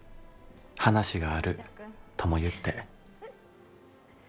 話があるとも言って」。